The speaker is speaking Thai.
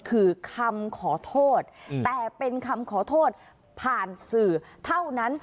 คือคำขอโทษแต่เป็นคำขอโทษผ่านสื่อเท่านั้น